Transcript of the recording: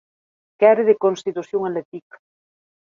Qu'ère de constitucion atletica.